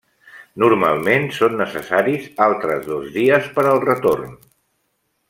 Normalment són necessaris altres dos dies per al retorn.